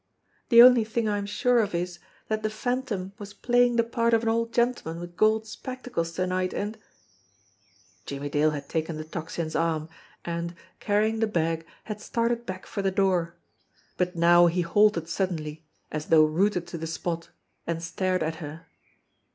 The only thing I am sure of is that the Phantom was playing the part of an old gentleman with gold spec tacles to night, and " Jimmie Dale had taken the Tocsin's arm, and, carrying the bag, had started back for the door ; but now he halted sud denly as though rooted to the spot, and stared at her.